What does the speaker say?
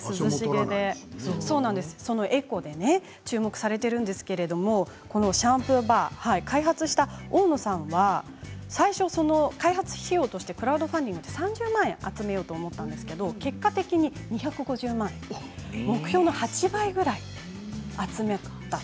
エコで注目されているんですがこのシャンプーバーを開発した大野さんは最初、開発費用としてクラウドファンディングで３０万円を集めようとしたんですが結果的に２５０万円目標の８倍ぐらい集まった。